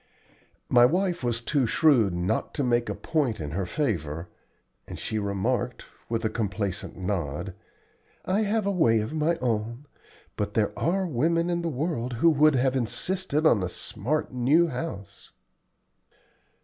My wife was too shrewd not to make a point in her favor, and she remarked, with a complacent nod, "I have a way of my own, but there are women in the world who would have insisted on a smart new house."